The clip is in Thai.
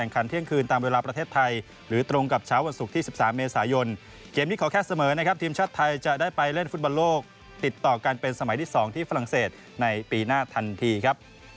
คิดว่าน่าจะชนะได้ครับ